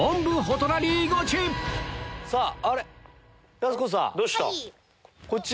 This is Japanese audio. やす子さん。